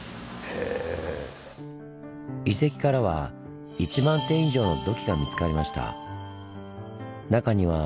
遺跡からは１万点以上の土器が見つかりました。